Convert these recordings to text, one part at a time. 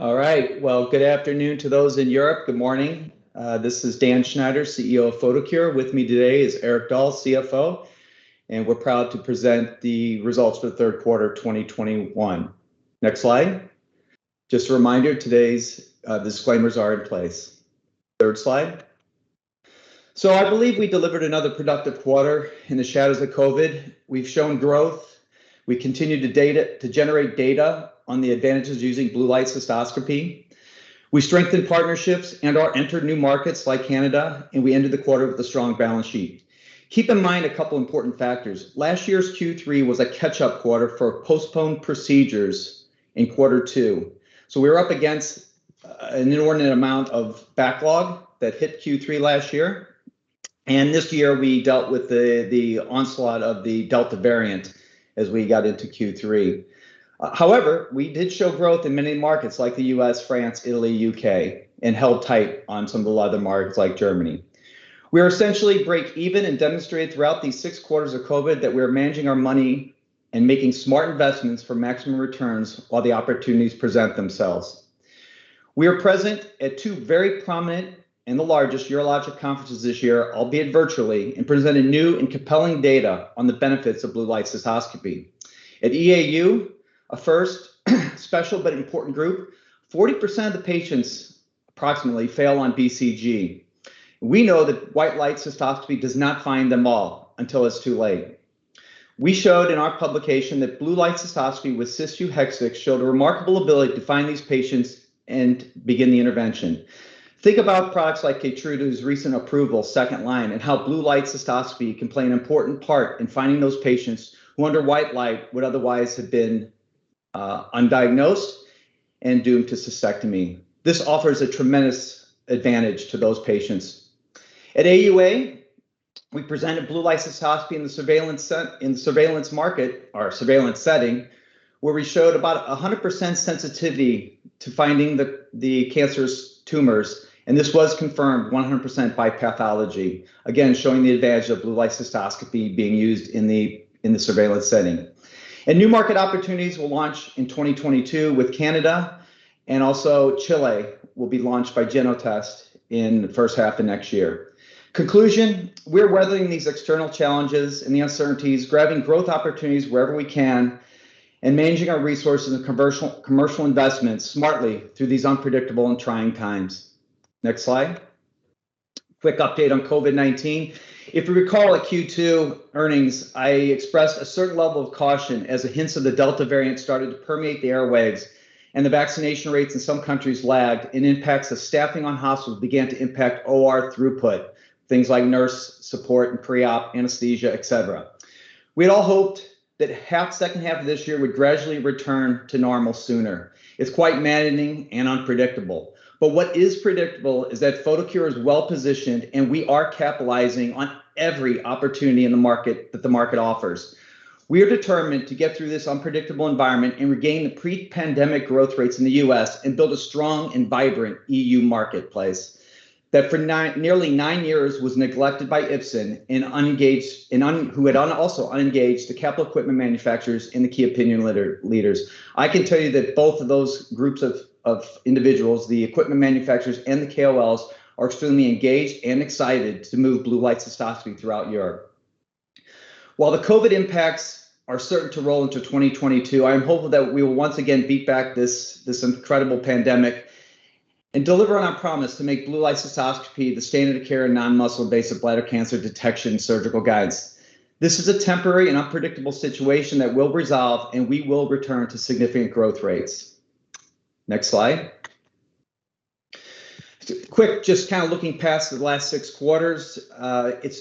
All right. Well, good afternoon to those in Europe. Good morning. This is Dan Schneider, CEO of Photocure. With me today is Erik Dahl, CFO, and we're proud to present the results for the third quarter of 2021. Next slide. Just a reminder, today's disclaimers are in place. Third slide. I believe we delivered another productive quarter in the shadows of COVID. We've shown growth, we continue to generate data on the advantages of using Blue Light Cystoscopy. We strengthened partnerships and/or entered new markets like Canada, and we ended the quarter with a strong balance sheet. Keep in mind a couple important factors. Last year's Q3 was a catch-up quarter for postponed procedures in quarter two, so we were up against an inordinate amount of backlog that hit Q3 last year, and this year we dealt with the onslaught of the Delta variant as we got into Q3. However, we did show growth in many markets like the U.S., France, Italy, U.K., and held tight on some of the other markets like Germany. We are essentially break even and demonstrated throughout these six quarters of COVID that we are managing our money and making smart investments for maximum returns while the opportunities present themselves. We are present at two very prominent, and the largest, urologic conferences this year, albeit virtually, and presented new and compelling data on the benefits of Blue Light Cystoscopy. At EAU, a first special but important group, 40% of the patients approximately fail on BCG. We know that white light cystoscopy does not find them all until it's too late. We showed in our publication that blue light cystoscopy with Cysview Hexvix showed a remarkable ability to find these patients and begin the intervention. Think about products like Keytruda's recent approval second line, and how blue light cystoscopy can play an important part in finding those patients who under white light would otherwise have been undiagnosed and doomed to cystectomy. This offers a tremendous advantage to those patients. At AUA, we presented blue light cystoscopy in the surveillance market or surveillance setting, where we showed about 100% sensitivity to finding the cancerous tumors, and this was confirmed 100% by pathology. Again, showing the advantage of blue light cystoscopy being used in the surveillance setting. New market opportunities will launch in 2022 with Canada, and also Chile will be launched by Genotest in the first half of next year. Conclusion, we're weathering these external challenges and the uncertainties, grabbing growth opportunities wherever we can, and managing our resources and commercial investments smartly through these unpredictable and trying times. Next slide. Quick update on COVID-19. If you recall at Q2 earnings, I expressed a certain level of caution as the hints of the Delta variant started to permeate the airwaves and the vaccination rates in some countries lagged, and impacts of staffing on hospitals began to impact OR throughput, things like nurse support and pre-op anesthesia, et cetera. We had all hoped that second half of this year would gradually return to normal sooner. It's quite maddening and unpredictable. What is predictable is that Photocure is well-positioned, and we are capitalizing on every opportunity in the market that the market offers. We are determined to get through this unpredictable environment and regain the pre-pandemic growth rates in the U.S. and build a strong and vibrant EU marketplace that for nearly nine years was neglected by Ipsen and unengaged, who had also unengaged the capital equipment manufacturers and the key opinion leaders. I can tell you that both of those groups of individuals, the equipment manufacturers and the KOLs, are extremely engaged and excited to move Blue Light Cystoscopy throughout Europe. While the COVID impacts are certain to roll into 2022, I am hopeful that we will once again beat back this incredible pandemic and deliver on our promise to make Blue Light Cystoscopy the standard of care in non-muscle invasive bladder cancer detection surgical guides. This is a temporary and unpredictable situation that will resolve, and we will return to significant growth rates. Next slide. Quick, just kind of looking past the last six quarters.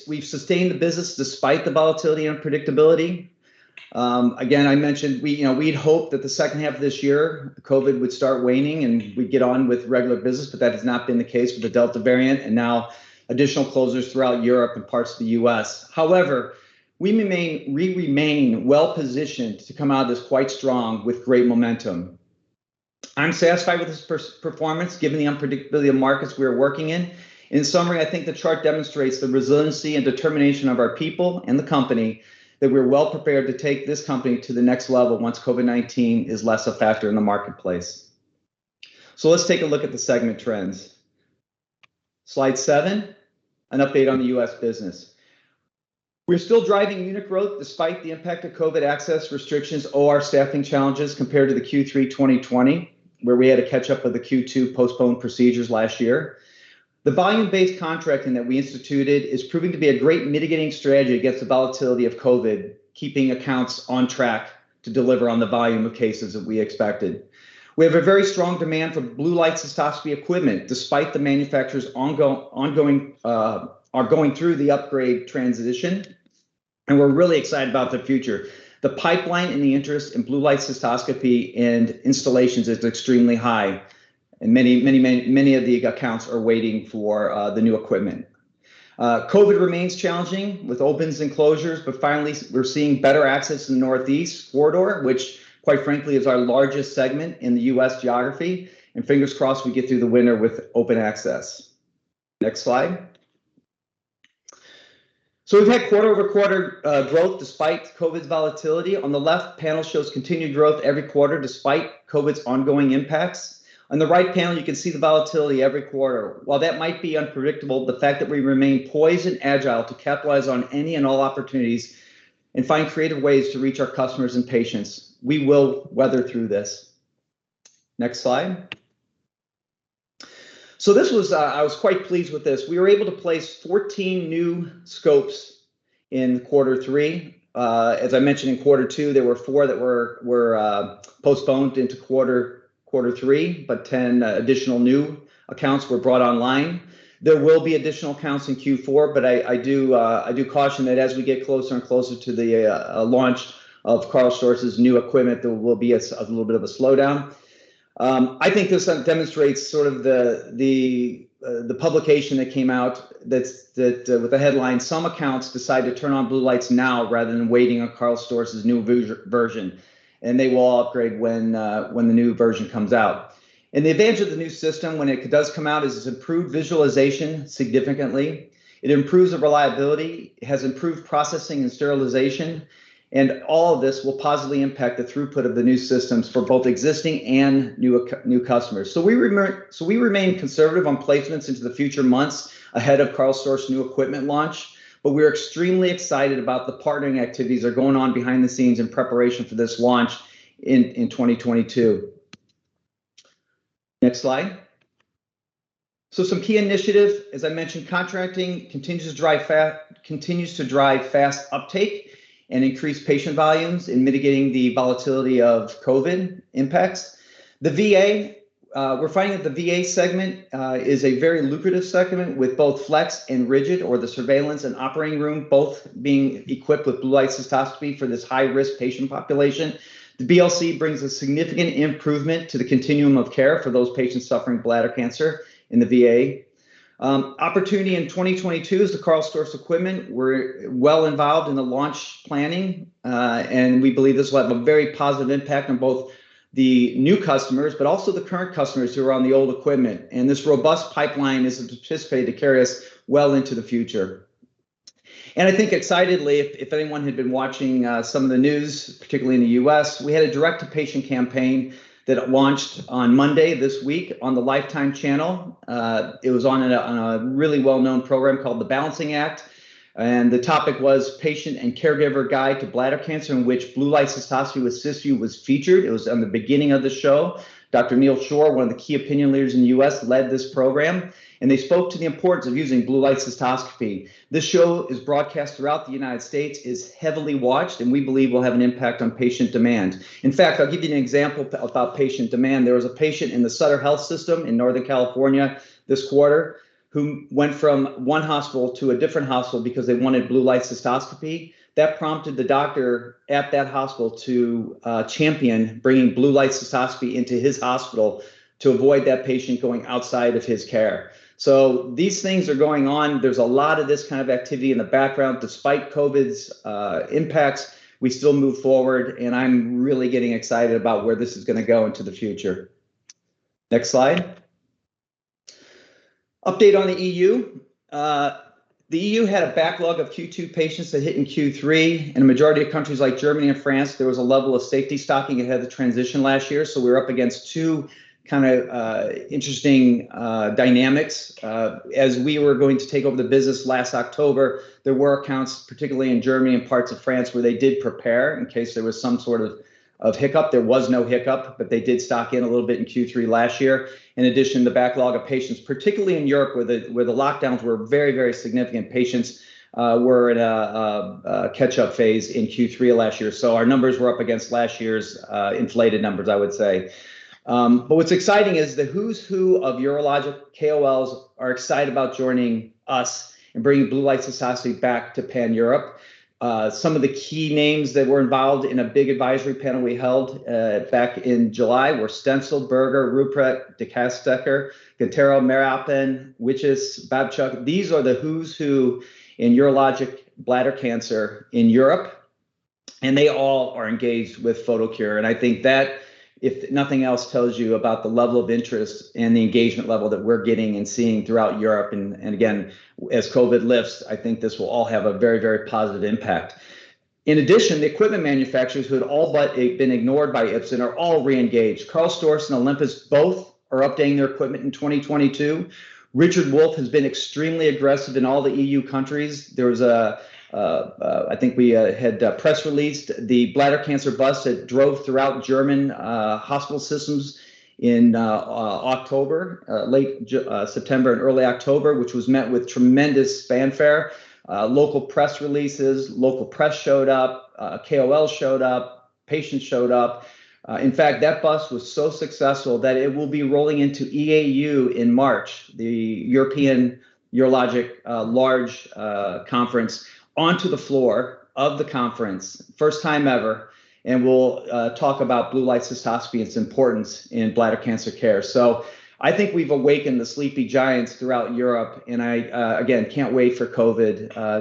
We've sustained the business despite the volatility and unpredictability. Again, I mentioned we, you know, we'd hope that the second half of this year COVID would start waning and we'd get on with regular business, but that has not been the case with the Delta variant and now additional closures throughout Europe and parts of the U.S. However, we remain well positioned to come out of this quite strong with great momentum. I'm satisfied with this performance given the unpredictability of markets we are working in. In summary, I think the chart demonstrates the resiliency and determination of our people and the company, that we're well prepared to take this company to the next level once COVID-19 is less a factor in the marketplace. Let's take a look at the segment trends. Slide 7, an update on the U.S. business. We're still driving unit growth despite the impact of COVID access restrictions, OR staffing challenges compared to the Q3 2020, where we had to catch up with the Q2 postponed procedures last year. The volume-based contracting that we instituted is proving to be a great mitigating strategy against the volatility of COVID, keeping accounts on track to deliver on the volume of cases that we expected. We have a very strong demand for Blue Light Cystoscopy equipment, despite the manufacturer's ongoing upgrade transition, and we're really excited about the future. The pipeline and the interest in Blue Light Cystoscopy and installations is extremely high and many of the accounts are waiting for the new equipment. COVID remains challenging with opens and closures, but finally we're seeing better access in the Northeast corridor, which quite frankly is our largest segment in the U.S. geography, and fingers crossed we get through the winter with open access. Next slide. We've had quarter-over-quarter growth despite COVID's volatility. On the left panel shows continued growth every quarter despite COVID's ongoing impacts. On the right panel, you can see the volatility every quarter. While that might be unpredictable, the fact that we remain poised and agile to capitalize on any and all opportunities and find creative ways to reach our customers and patients, we will weather through this. Next slide. I was quite pleased with this. We were able to place 14 new scopes in quarter three. As I mentioned in quarter two, there were four that were postponed into quarter three, but 10 additional new accounts were brought online. There will be additional accounts in Q4, but I do caution that as we get closer and closer to the launch of Karl Storz's new equipment, there will be a little bit of a slowdown. I think this demonstrates sort of the publication that came out that's with the headline, "Some accounts decide to turn on blue lights now rather than waiting on Karl Storz's new version, and they will upgrade when the new version comes out." The advantage of the new system when it does come out is this improved visualization significantly. It improves the reliability, it has improved processing and sterilization, and all of this will positively impact the throughput of the new systems for both existing and new customers. We remain conservative on placements into the future months ahead of Karl Storz new equipment launch, but we're extremely excited about the partnering activities that are going on behind the scenes in preparation for this launch in 2022. Next slide. Some key initiatives. As I mentioned, contracting continues to drive fast uptake and increase patient volumes in mitigating the volatility of COVID impacts. The VA, we're finding that the VA segment is a very lucrative segment with both flex and rigid or the surveillance and operating room both being equipped with Blue Light Cystoscopy for this high-risk patient population. The BLC brings a significant improvement to the continuum of care for those patients suffering bladder cancer in the VA. Opportunity in 2022 is the Karl Storz equipment. We're well involved in the launch planning, and we believe this will have a very positive impact on both the new customers, but also the current customers who are on the old equipment. This robust pipeline is anticipated to carry us well into the future. I think excitedly, if anyone had been watching, some of the news, particularly in the U.S., we had a direct to patient campaign that launched on Monday this week on the Lifetime channel. It was on a really well-known program called The Balancing Act, and the topic was Patient and Caregiver Guide to Bladder Cancer, in which Blue Light Cystoscopy with Cysview was featured. It was on the beginning of the show. Dr. Neal D. Shore, one of the key opinion leaders in the U.S., led this program, and they spoke to the importance of using Blue Light Cystoscopy. This show is broadcast throughout the United States, is heavily watched, and we believe will have an impact on patient demand. In fact, I'll give you an example about patient demand. There was a patient in the Sutter Health system in Northern California this quarter who went from one hospital to a different hospital because they wanted Blue Light Cystoscopy. That prompted the doctor at that hospital to champion bringing Blue Light Cystoscopy into his hospital to avoid that patient going outside of his care. These things are going on. There's a lot of this kind of activity in the background. Despite COVID's impacts, we still move forward, and I'm really getting excited about where this is going to go into the future. Next slide. Update on the EU. The EU had a backlog of Q2 patients that hit in Q3. In a majority of countries like Germany and France, there was a level of safety stocking. It had the transition last year, so we were up against two kind of interesting dynamics. As we were going to take over the business last October, there were accounts, particularly in Germany and parts of France, where they did prepare in case there was some sort of of hiccup. There was no hiccup, but they did stock in a little bit in Q3 last year. In addition, the backlog of patients, particularly in Europe, where the lockdowns were very, very significant, patients were in a catch-up phase in Q3 of last year. Our numbers were up against last year's inflated numbers, I would say. But what's exciting is the who's who of urologic KOLs are excited about joining us and bringing Blue Light Cystoscopy back to pan-Europe. Some of the key names that were involved in a big advisory panel we held back in July were Stenzel, Burger, Rupprecht, De Caestecker, Gontero, Masson-Lecomte, Witjes, Babjuk. These are the who's who in urologic bladder cancer in Europe, and they all are engaged with Photocure. I think that, if nothing else, tells you about the level of interest and the engagement level that we're getting and seeing throughout Europe. Again, as COVID lifts, I think this will all have a very, very positive impact. In addition, the equipment manufacturers who had all but been ignored by Ipsen are all re-engaged. Karl Storz and Olympus both are updating their equipment in 2022. Richard Wolf has been extremely aggressive in all the EU countries. There was. I think we had press released the bladder cancer bus that drove throughout German hospital systems in late September and early October, which was met with tremendous fanfare. Local press releases, local press showed up, KOL showed up, patients showed up. In fact, that bus was so successful that it will be rolling into EAU in March, the European Urologic large conference, onto the floor of the conference, first time ever. W'll talk about Blue Light Cystoscopy and its importance in bladder cancer care. I think we've awakened the sleepy giants throughout Europe. I again can't wait for COVID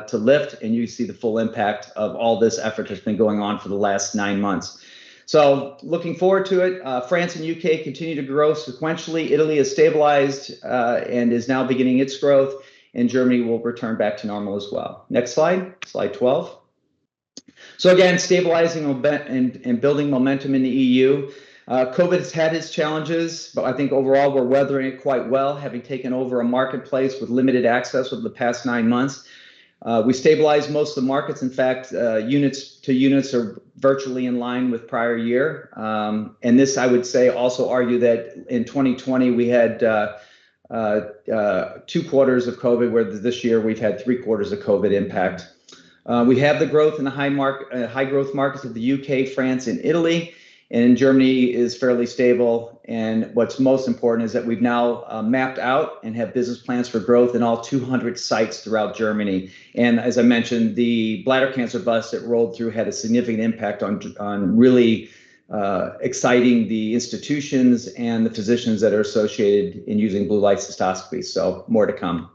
to lift, and you see the full impact of all this effort that's been going on for the last nine months. Looking forward to it. France and U.K. continue to grow sequentially. Italy has stabilized and is now beginning its growth, and Germany will return back to normal as well. Next slide. Slide 12. Again, stabilizing moment and building momentum in the EU. COVID has had its challenges, but I think overall we're weathering it quite well, having taken over a marketplace with limited access over the past nine months. We stabilized most of the markets. In fact, units to units are virtually in line with prior year. This I would say also argue that in 2020 we had two quarters of COVID, where this year we've had three quarters of COVID impact. We have the growth in the high growth markets of the UK, France and Italy. Germany is fairly stable. What's most important is that we've now mapped out and have business plans for growth in all 200 sites throughout Germany. As I mentioned, the bladder cancer bus that rolled through had a significant impact on really exciting the institutions and the physicians that are associated in using Blue Light Cystoscopy. More to come.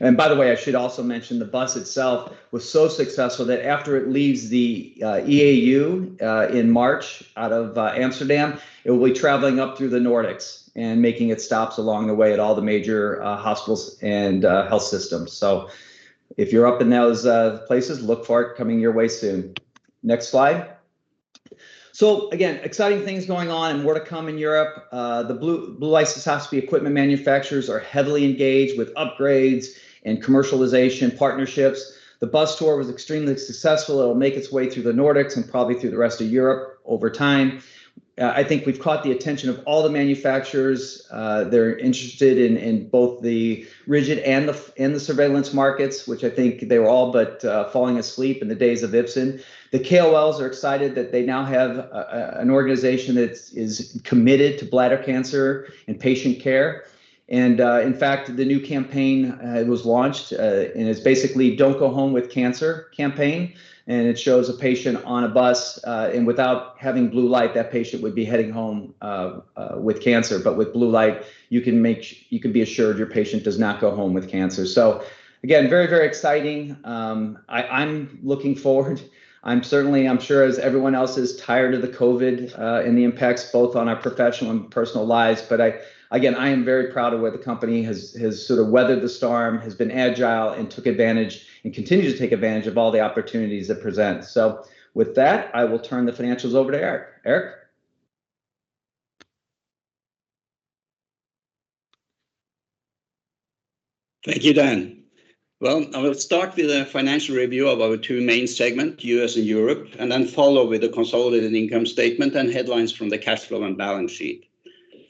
By the way, I should also mention the bus itself was so successful that after it leaves the EAU in March out of Amsterdam, it will be traveling up through the Nordics and making its stops along the way at all the major hospitals and health systems. If you're up in those places, look for it coming your way soon. Next slide. Again, exciting things going on and more to come in Europe. The Blue Light Cystoscopy equipment manufacturers are heavily engaged with upgrades and commercialization partnerships. The bus tour was extremely successful. It'll make its way through the Nordics and probably through the rest of Europe over time. I think we've caught the attention of all the manufacturers. They're interested in both the rigid and the surveillance markets, which I think they were all but falling asleep in the days of Ipsen. The KOLs are excited that they now have an organization that's committed to bladder cancer and patient care. In fact, the new campaign was launched, and it's basically Don't Go Home with Cancer campaign, and it shows a patient on a bus, and without having blue light, that patient would be heading home with cancer. But with blue light, you can be assured your patient does not go home with cancer. Again, very exciting. I'm looking forward. I'm sure as everyone else is tired of the COVID and the impacts both on our professional and personal lives. I, again, I am very proud of where the company has sort of weathered the storm, has been agile and took advantage and continues to take advantage of all the opportunities it presents. With that, I will turn the financials over to Erik. Erik? Thank you, Dan. Well, I will start with the financial review of our two main segments, U.S. and Europe, and then follow with the consolidated income statement and headlines from the cash flow and balance sheet.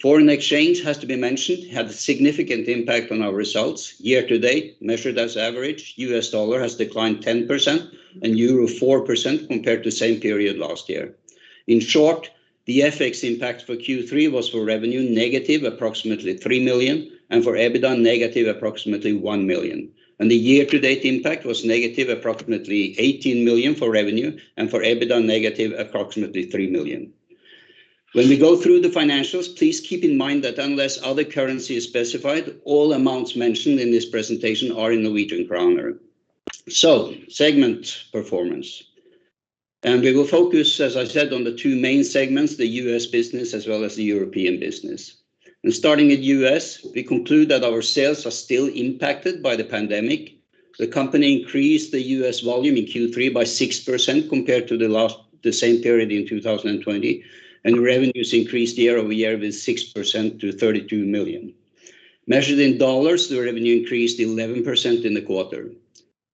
Foreign exchange has to be mentioned. It had a significant impact on our results. Year-to-date, measured as average, U.S. dollar has declined 10% and euro 4% compared to the same period last year. In short, the FX impact for Q3 was negative approximately 3 million for revenue and negative approximately 1 million for EBITDA. The year-to-date impact was negative approximately 18 million for revenue and negative approximately 3 million for EBITDA. When we go through the financials, please keep in mind that unless other currency is specified, all amounts mentioned in this presentation are in Norwegian kroner. Segment performance. We will focus, as I said, on the two main segments, the U.S. business as well as the European business. Starting with the U.S., we conclude that our sales are still impacted by the pandemic. The company increased the U.S. volume in Q3 by 6% compared to the same period in 2020, and revenues increased year-over-year by 6% to 32 million. Measured in dollars, the revenue increased 11% in the quarter.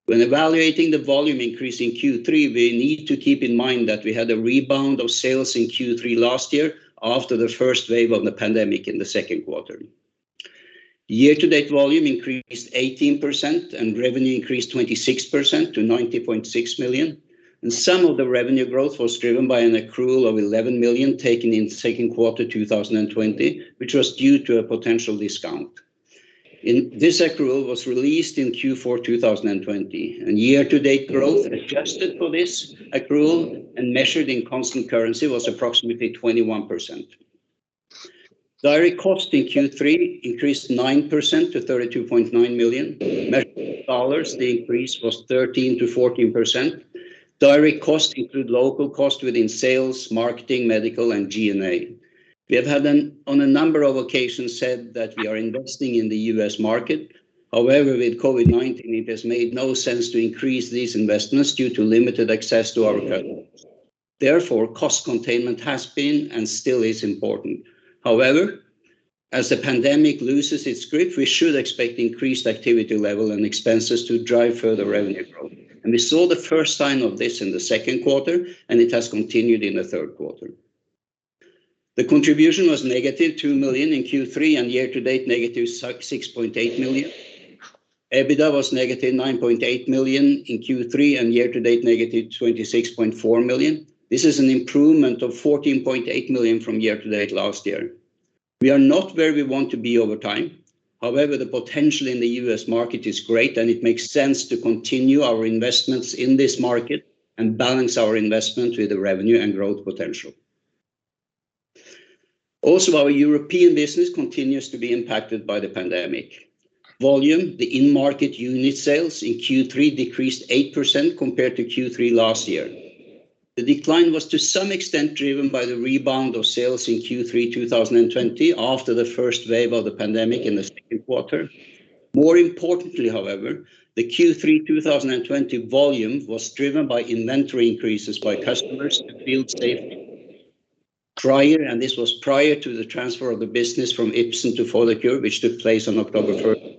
When evaluating the volume increase in Q3, we need to keep in mind that we had a rebound of sales in Q3 last year after the first wave of the pandemic in the second quarter. Year-to-date volume increased 18% and revenue increased 26% to 90.6 million. Some of the revenue growth was driven by an accrual of 11 million taken in Q2 2020, which was due to a potential discount. This accrual was released in Q4 2020, and year-to-date growth adjusted for this accrual and measured in constant currency was approximately 21%. Direct costs in Q3 increased 9% to 32.9 million. Measured in dollars, the increase was 13% to 14%. Direct costs include local costs within sales, marketing, medical and G&A. We have, on a number of occasions, said that we are investing in the U.S. market. However, with COVID-19 it has made no sense to increase these investments due to limited access to our customers. Therefore, cost containment has been and still is important. However, as the pandemic loses its grip, we should expect increased activity level and expenses to drive further revenue growth. We saw the first sign of this in the second quarter, and it has continued in the third quarter. The contribution was negative 2 million in Q3 and year to date negative 6.8 million. EBITDA was negative 9.8 million in Q3 and year to date negative 26.4 million. This is an improvement of 14.8 million from year to date last year. We are not where we want to be over time. However, the potential in the U.S. market is great and it makes sense to continue our investments in this market and balance our investment with the revenue and growth potential. Also, our European business continues to be impacted by the pandemic. Volume, the in-market unit sales in Q3 decreased 8% compared to Q3 last year. The decline was to some extent driven by the rebound of sales in Q3 2020 after the first wave of the pandemic in the second quarter. More importantly, however, the Q3 2020 volume was driven by inventory increases by customers to feel safe. This was prior to the transfer of the business from Ipsen to Photocure, which took place on October 1st,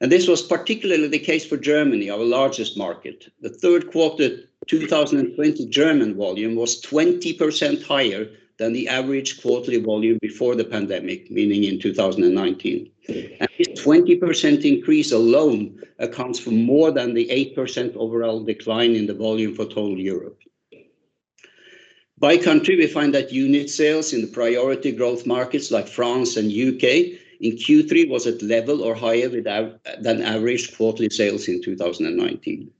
2020. This was particularly the case for Germany, our largest market. The third quarter 2020 German volume was 20% higher than the average quarterly volume before the pandemic, meaning in 2019. This 20% increase alone accounts for more than the 8% overall decline in the volume for total Europe. By country, we find that unit sales in the priority growth markets like France and U.K. in Q3 was at level or higher than average quarterly sales in 2019.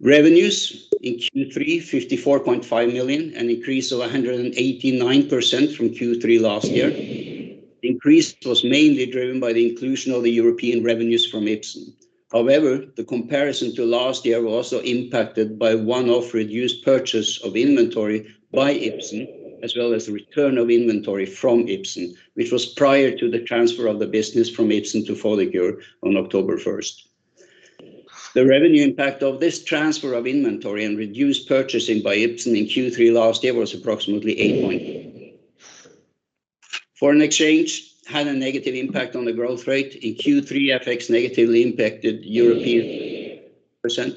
Revenues in Q3, 54.5 million, an increase of 189% from Q3 last year. The increase was mainly driven by the inclusion of the European revenues from Ipsen. However, the comparison to last year was also impacted by one-off reduced purchase of inventory by Ipsen, as well as the return of inventory from Ipsen, which was prior to the transfer of the business from Ipsen to Photocure on October 1st. The revenue impact of this transfer of inventory and reduced purchasing by Ipsen in Q3 last year was approximately 8.8 million. Foreign exchange had a negative impact on the growth rate. In Q3, FX negatively impacted European percent.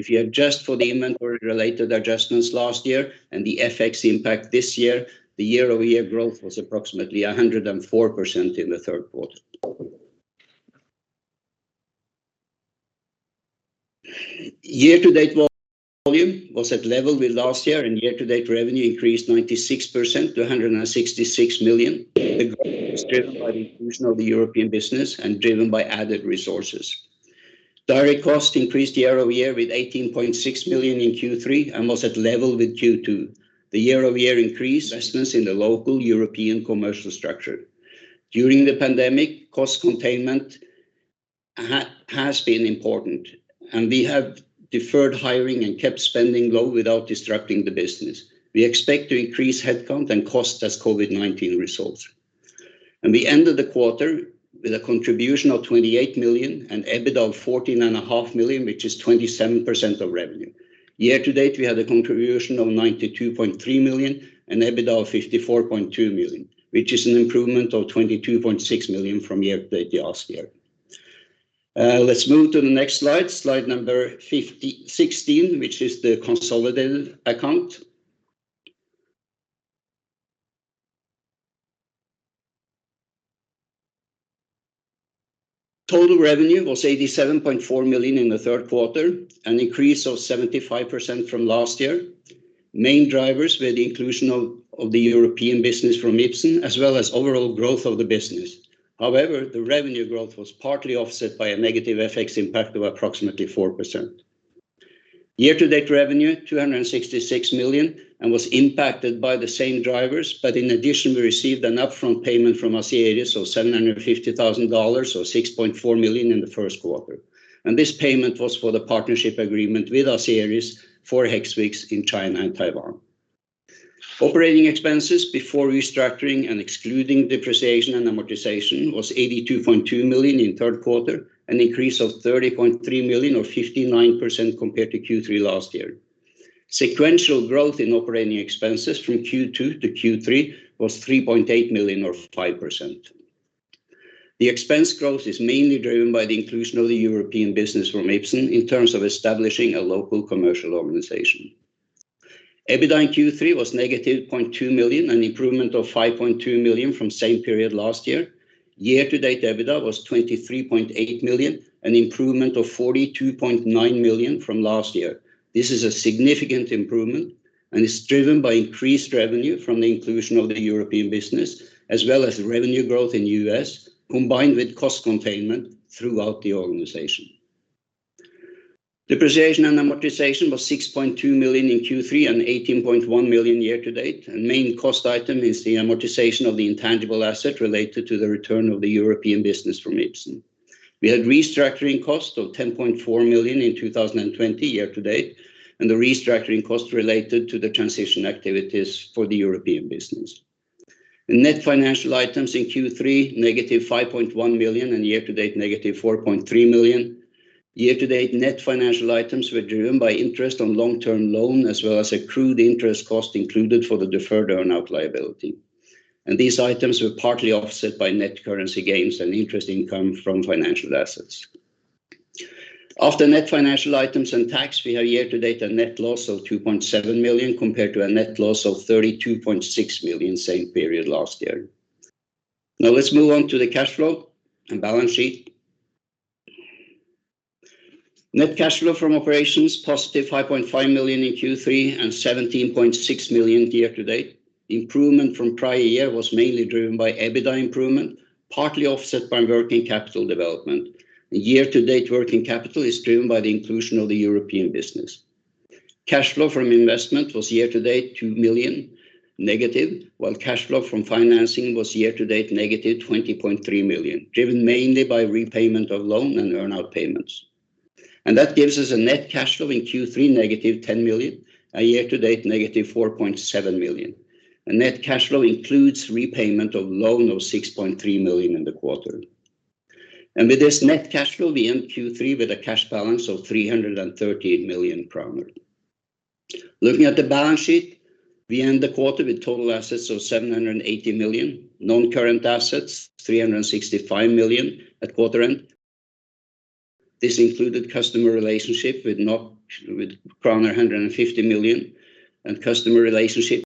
If you adjust for the inventory-related adjustments last year and the FX impact this year, the year-over-year growth was approximately 104% in the third quarter. Year-to-date volume was at the level with last year, and year-to-date revenue increased 96% to 166 million. The growth was driven by the inclusion of the European business and driven by added resources. Direct costs increased year-over-year by 18.6 million in Q3 and was at the level with Q2. The year-over-year increase in investments in the local European commercial structure. During the pandemic, cost containment has been important, and we have deferred hiring and kept spending low without disrupting the business. We expect to increase headcount and cost as COVID-19 recedes. We ended the quarter with a contribution of 28 million and EBITDA of 14.5 million, which is 27% of revenue. Year-to-date, we had a contribution of 92.3 million and EBITDA of 54.2 million, which is an improvement of 22.6 million from year-to-date last year. Let's move to the next slide number 16, which is the consolidated account. Total revenue was 87.4 million in the third quarter, an increase of 75% from last year. Main drivers were the inclusion of the European business from Ipsen, as well as overall growth of the business. However, the revenue growth was partly offset by a negative FX impact of approximately 4%. Year-to-date revenue was 266 million and was impacted by the same drivers. In addition, we received an upfront payment from Asieris of $750,000 or 6.4 million in the first quarter. This payment was for the partnership agreement with Asieris for Hexvix in China and Taiwan. Operating expenses before restructuring and excluding depreciation and amortization was 82.2 million in third quarter, an increase of 30.3 million or 59% compared to Q3 last year. Sequential growth in operating expenses from Q2 to Q3 was 3.8 million or 5%. The expense growth is mainly driven by the inclusion of the European business from Ipsen in terms of establishing a local commercial organization. EBITDA in Q3 was -0.2 million, an improvement of 5.2 million from same period last year. Year-to-date EBITDA was 23.8 million, an improvement of 42.9 million from last year. This is a significant improvement and is driven by increased revenue from the inclusion of the European business, as well as revenue growth in U.S., combined with cost containment throughout the organization. Depreciation and amortization was 6.2 million in Q3 and 18.1 million year-to-date. Main cost item is the amortization of the intangible asset related to the return of the European business from Ipsen. We had restructuring costs of 10.4 million in 2020 year-to-date and the restructuring costs related to the transition activities for the European business. Net financial items in Q3, negative 5.1 million and year-to-date negative 4.3 million. Year-to-date net financial items were driven by interest on long-term loan, as well as accrued interest costs included for the deferred earn-out liability. These items were partly offset by net currency gains and interest income from financial assets. After net financial items and tax, we have year-to-date a net loss of 2.7 million compared to a net loss of 32.6 million in the same period last year. Now let's move on to the cash flow and balance sheet. Net cash flow from operations, positive 5.5 million in Q3 and 17.6 million year-to-date. Improvement from prior year was mainly driven by EBITDA improvement, partly offset by working capital development. Year-to-date working capital is driven by the inclusion of the European business. Cash flow from investment was year-to-date negative 2 million, while cash flow from financing was year-to-date negative 20.3 million, driven mainly by repayment of loan and earn out payments. That gives us a net cash flow in Q3 negative 10 million and year-to-date negative 4.7 million. The net cash flow includes repayment of loan of 6.3 million in the quarter. With this net cash flow, we end Q3 with a cash balance of 338 million kroner. Looking at the balance sheet, we end the quarter with total assets of 780 million, non-current assets 365 million at quarter end. This included customer relationship with not... worth kroner 150 million, and customer relationship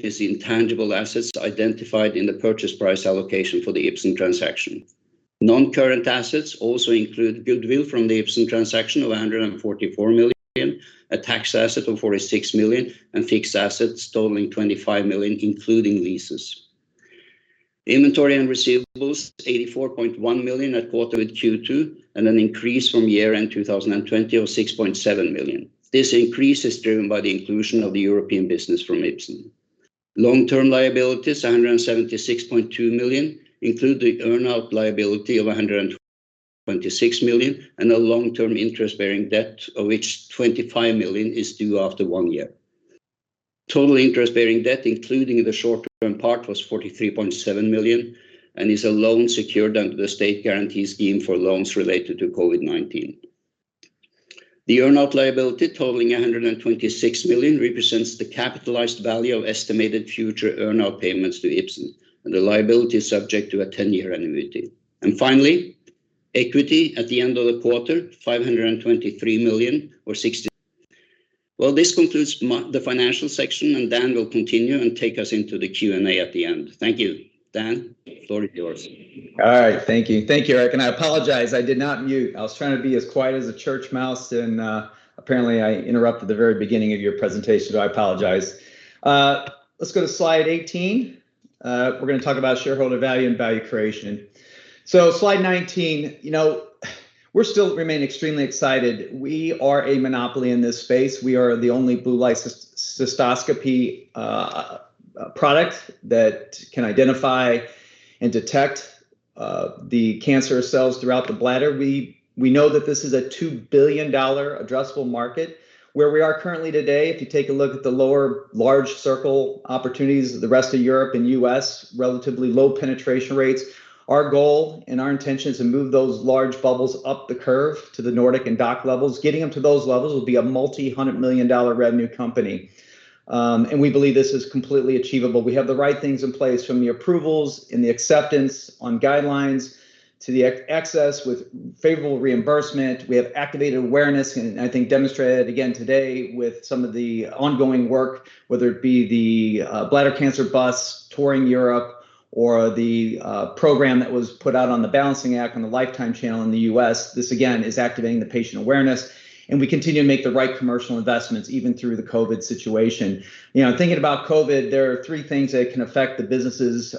is the intangible assets identified in the purchase price allocation for the Ipsen transaction. Non-current assets also include goodwill from the Ipsen transaction of 144 million, a tax asset of 46 million, and fixed assets totaling 25 million, including leases. Inventory and receivables 84.1 million at Q2, and an increase from year-end 2020 of 6.7 million. This increase is driven by the inclusion of the European business from Ipsen. Long-term liabilities 176.2 million include the earn-out liability of 126 million, and a long-term interest-bearing debt, of which 25 million is due after one year. Total interest-bearing debt, including the short-term part, was 43.7 million and is a loan secured under the state guarantee scheme for loans related to COVID-19. The earn-out liability totaling 126 million represents the capitalized value of estimated future earn-out payments to Ipsen, and the liability is subject to a ten-year annuity. Finally, equity at the end of the quarter, 523 million or 60%. Well, this concludes the financial section, and Dan will continue and take us into the Q&A at the end. Thank you. Dan, the floor is yours. All right. Thank you. Thank you, Erik, and I apologize. I did not mute. I was trying to be as quiet as a church mouse and, apparently, I interrupted the very beginning of your presentation. I apologize. Let's go to slide 18. We're gonna talk about shareholder value and value creation. Slide 19, you know, we still remain extremely excited. We are a monopoly in this space. We are the only Blue Light Cystoscopy product that can identify and detect the cancerous cells throughout the bladder. We know that this is a $2 billion addressable market. Where we are currently today, if you take a look at the lower large circle opportunities, the rest of Europe and U.S., relatively low penetration rates. Our goal and our intention is to move those large bubbles up the curve to the Nordic and DACH levels. Getting them to those levels will be a multi-hundred million dollar revenue company. We believe this is completely achievable. We have the right things in place from the approvals and the acceptance on guidelines to the access with favorable reimbursement. We have activated awareness, and I think demonstrated again today with some of the ongoing work, whether it be the bladder cancer bus touring Europe or the program that was put out on The Balancing Act on the Lifetime channel in the U.S. This again is activating the patient awareness, and we continue to make the right commercial investments even through the COVID situation. You know, thinking about COVID, there are three things that can affect the businesses.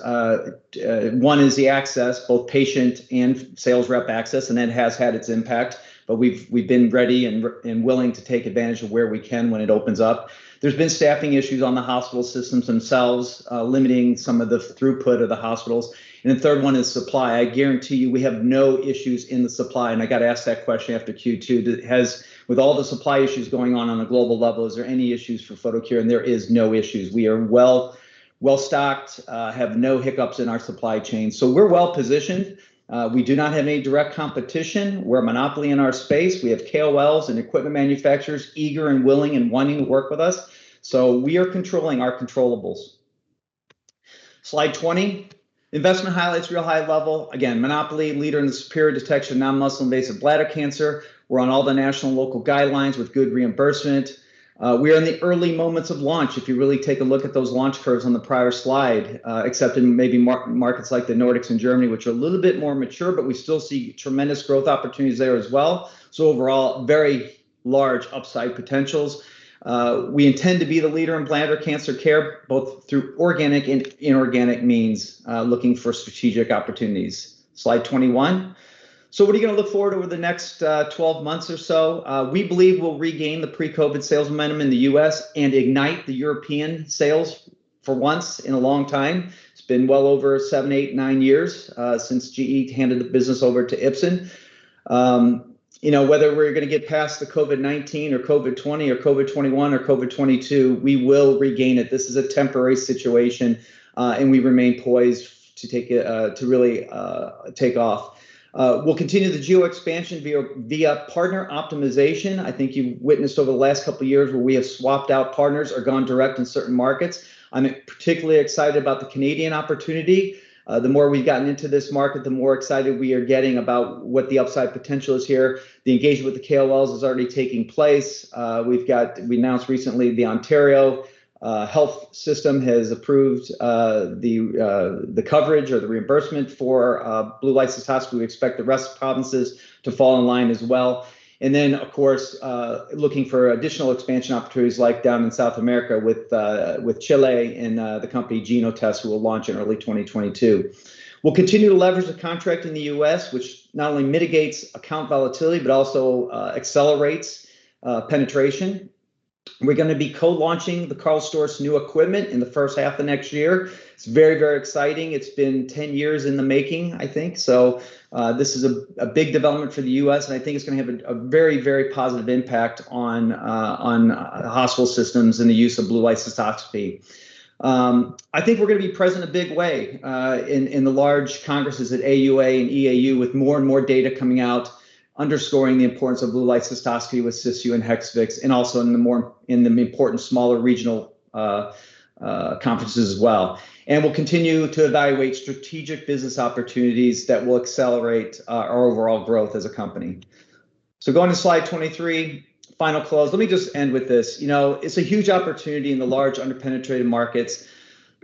One is the access, both patient and sales rep access, and that has had its impact. We've been ready and willing to take advantage of where we can when it opens up. There's been staffing issues on the hospital systems themselves, limiting some of the throughput of the hospitals. The third one is supply. I guarantee you, we have no issues in the supply, and I got asked that question after Q2. With all the supply issues going on a global level, is there any issues for Photocure? There is no issues. We are well-stocked, have no hiccups in our supply chain. We're well-positioned. We do not have any direct competition. We're a monopoly in our space. We have KOLs and equipment manufacturers eager and willing and wanting to work with us. We are controlling our controllables. Slide 20. Investment highlights at a real high level. Again, monopoly leader in the superior detection of non-muscle invasive bladder cancer. We're on all the national and local guidelines with good reimbursement. We are in the early moments of launch, if you really take a look at those launch curves on the prior slide, except in maybe mature markets like the Nordics and Germany, which are a little bit more mature, but we still see tremendous growth opportunities there as well. Overall, very large upside potentials. We intend to be the leader in bladder cancer care, both through organic and inorganic means, looking for strategic opportunities. Slide 21. What are you gonna look forward to over the next 12 months or so? We believe we'll regain the pre-COVID sales momentum in the U.S. and ignite the European sales for once in a long time. It's been well over 7, 8, 9 years since GE handed the business over to Ipsen. You know, whether we're gonna get past the COVID-19 or COVID-20 or COVID-21 or COVID-22, we will regain it. This is a temporary situation, and we remain poised to really take off. We'll continue the geo expansion via partner optimization. I think you've witnessed over the last couple of years where we have swapped out partners or gone direct in certain markets. I'm particularly excited about the Canadian opportunity. The more we've gotten into this market, the more excited we are getting about what the upside potential is here. The engagement with the KOLs is already taking place. We've got... We announced recently the Ontario health system has approved the coverage or the reimbursement for Blue Light Cystoscopy. We expect the rest of provinces to fall in line as well. Of course, looking for additional expansion opportunities like down in South America with Chile and the company Genotests will launch in early 2022. We'll continue to leverage the contract in the U.S., which not only mitigates account volatility, but also accelerates penetration. We're gonna be co-launching the Karl Storz new equipment in the first half of next year. It's very, very exciting. It's been 10 years in the making, I think. This is a big development for the U.S., and I think it's gonna have a very, very positive impact on hospital systems and the use of Blue Light Cystoscopy. I think we're gonna be present in a big way in the large congresses at AUA and EAU with more and more data coming out, underscoring the importance of Blue Light Cystoscopy with Cysview and Hexvix, and also in the more important smaller regional conferences as well. We'll continue to evaluate strategic business opportunities that will accelerate our overall growth as a company. Going to slide 23, final close. Let me just end with this. You know, it's a huge opportunity in the large under-penetrated markets.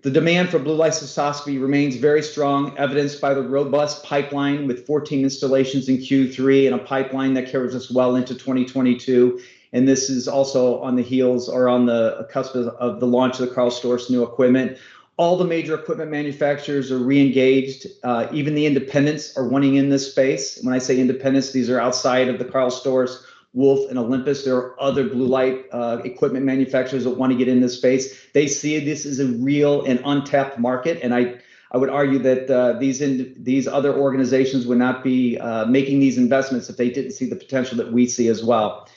The demand for blue light cystoscopy remains very strong, evidenced by the robust pipeline with 14 installations in Q3 and a pipeline that carries us well into 2022, and this is also on the heels or on the cusp of the launch of the Karl Storz new equipment. All the major equipment manufacturers are re-engaged, even the independents are wanting in this space. When I say independents, these are outside of the Karl Storz, Wolf, and Olympus. There are other blue light equipment manufacturers that want to get in this space. They see this as a real and untapped market, and I would argue that these other organizations would not be making these investments if they didn't see the potential that we see as well.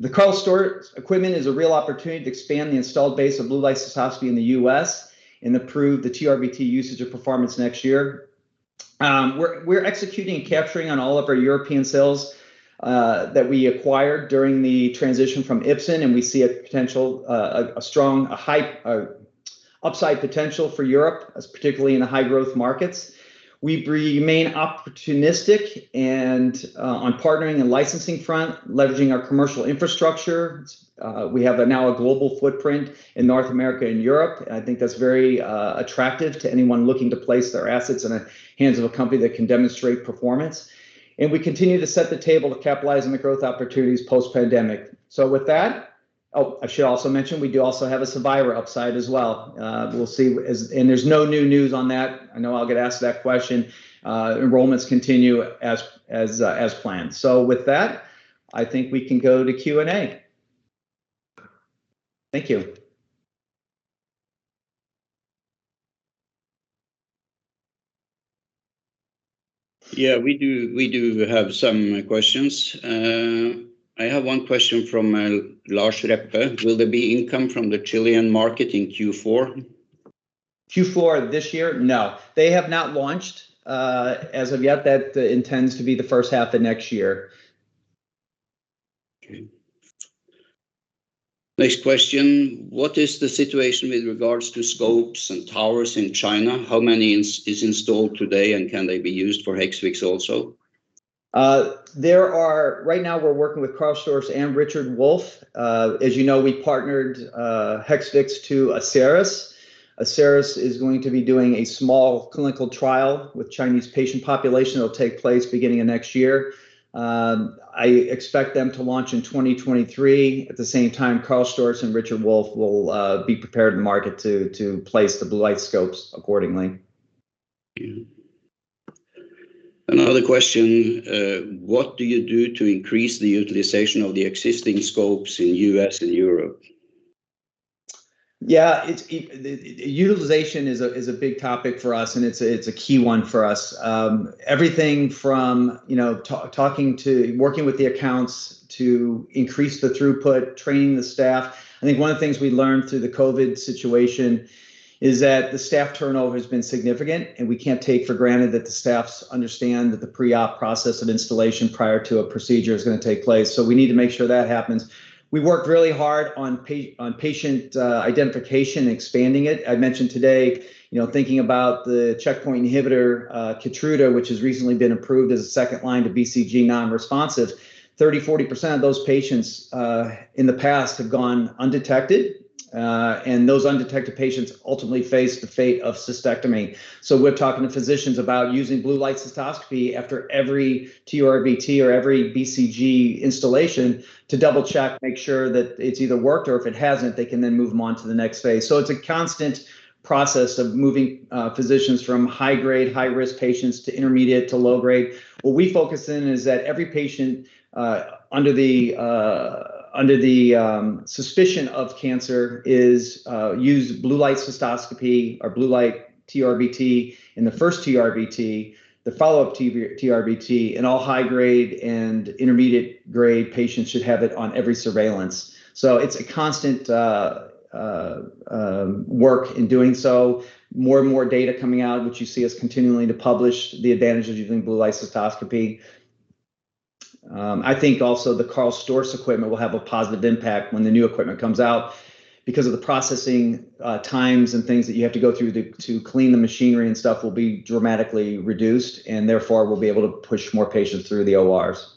The Karl Storz equipment is a real opportunity to expand the installed base of Blue Light Cystoscopy in the U.S. and improve the TURBT usage or performance next year. We're executing and capturing on all of our European sales that we acquired during the transition from Ipsen, and we see a potential, a strong, high upside potential for Europe, as particularly in the high-growth markets. We remain opportunistic on partnering and licensing front, leveraging our commercial infrastructure. We have now a global footprint in North America and Europe. I think that's very attractive to anyone looking to place their assets in the hands of a company that can demonstrate performance. We continue to set the table to capitalize on the growth opportunities post-pandemic. With that, I should also mention, we do also have a SURVIVOR upside as well. We'll see. There's no new news on that. I know I'll get asked that question. Enrollments continue as planned. With that, I think we can go to Q&A. Thank you. Yeah, we do have some questions. I have one question from Lars Hevreng Røpen. Will there be income from the Chilean market in Q4? Q4 this year? No. They have not launched, as of yet. That intends to be the first half of next year. Okay. Next question. What is the situation with regards to scopes and towers in China? How many is installed today, and can they be used for Hexvix also? Right now we're working with Karl Storz and Richard Wolf. As you know, we partnered Hexvix to Asieris. Asieris is going to be doing a small clinical trial with Chinese patient population. It'll take place beginning of next year. I expect them to launch in 2023. At the same time, Karl Storz and Richard Wolf will be prepared to market to place the blue light scopes accordingly. Thank you. Another question, what do you do to increase the utilization of the existing scopes in U.S. and Europe? It's the utilization is a big topic for us, and it's a key one for us. Everything from, you know, talking to working with the accounts to increase the throughput, training the staff. I think one of the things we learned through the COVID situation is that the staff turnover has been significant, and we can't take for granted that the staffs understand that the pre-op process of installation prior to a procedure is gonna take place. We need to make sure that happens. We worked really hard on patient identification, expanding it. I mentioned today, you know, thinking about the checkpoint inhibitor, Keytruda, which has recently been approved as a second line to BCG non-responsive, 30% to 40% of those patients in the past have gone undetected, and those undetected patients ultimately face the fate of cystectomy. We're talking to physicians about using blue light cystoscopy after every TURBT or every BCG instillation to double-check, make sure that it's either worked or if it hasn't, they can then move them on to the next phase. It's a constant process of moving physicians from high-grade, high-risk patients to intermediate to low grade. What we focus in is that every patient under the suspicion of cancer is use blue light cystoscopy or blue light TURBT in the first TURBT. The follow-up TB-TURBT in all high-grade and intermediate-grade patients should have it on every surveillance. It's a constant work in doing so. More and more data coming out, which you see us continuing to publish the advantages using Blue Light Cystoscopy. I think also the Karl Storz equipment will have a positive impact when the new equipment comes out because of the processing times and things that you have to go through to clean the machinery and stuff will be dramatically reduced, and therefore, we'll be able to push more patients through the ORs.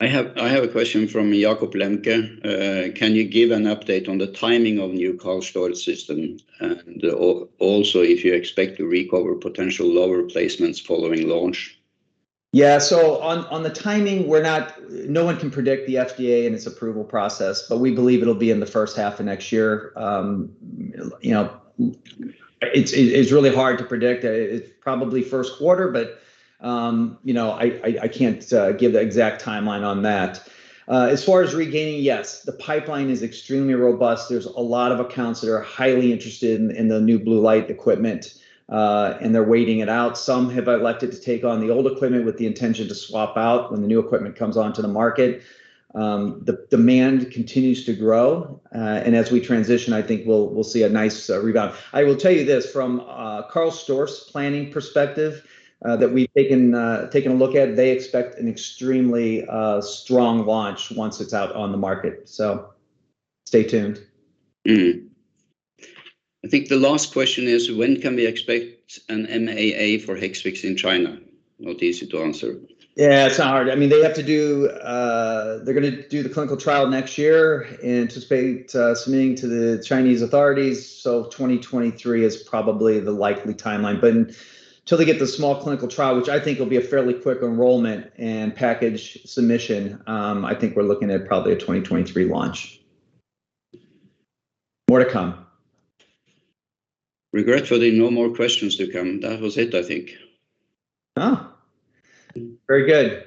I have a question from Jakob Linder. Can you give an update on the timing of new Karl Storz system, and also, if you expect to recover potential lower placements following launch? On the timing, no one can predict the FDA and its approval process, but we believe it'll be in the first half of next year. You know, it's really hard to predict. It's probably first quarter, but you know, I can't give the exact timeline on that. As far as regaining, yes. The pipeline is extremely robust. There's a lot of accounts that are highly interested in the new blue light equipment, and they're waiting it out. Some have elected to take on the old equipment with the intention to swap out when the new equipment comes onto the market. The demand continues to grow, and as we transition, I think we'll see a nice rebound. I will tell you this, from Karl Storz planning perspective, that we've taken a look at, they expect an extremely strong launch once it's out on the market. Stay tuned. I think the last question is, when can we expect an MAA for Hexvix in China? Not easy to answer. Yeah, it's not hard. I mean, they have to do. They're gonna do the clinical trial next year, anticipate submitting to the Chinese authorities, so 2023 is probably the likely timeline. But until they get the small clinical trial, which I think will be a fairly quick enrollment and package submission, I think we're looking at probably a 2023 launch. More to come. Regretfully, no more questions to come. That was it, I think. Oh. Very good.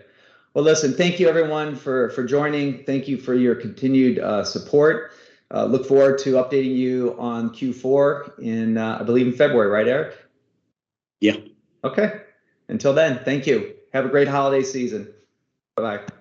Well, listen, thank you everyone for joining. Thank you for your continued support. Look forward to updating you on Q4, I believe, in February, right, Erik? Yeah. Okay. Until then, thank you. Have a great holiday season. Bye-bye.